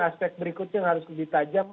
aspek berikutnya yang harus lebih tajam